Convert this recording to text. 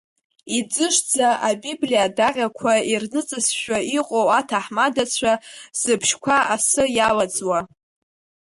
Иӡышӡа, Абиблиа адаҟьақәа ирныҵызшәа иҟоу аҭаҳмадацәа, зыбжьқәа асы иалаӡуа.